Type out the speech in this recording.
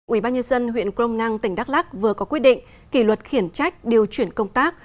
ubnd huyện crom năng tỉnh đắk lắc vừa có quyết định kỷ luật khiển trách điều chuyển công tác